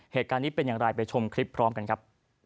เหตุการณ์นี้เป็นอย่างไรไปชมคลิปพร้อมกันครับ